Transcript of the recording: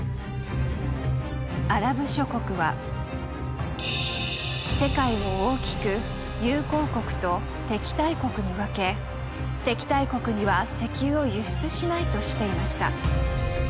アラブ諸国は世界を大きく「友好国」と「敵対国」に分け敵対国には石油を輸出しないとしていました。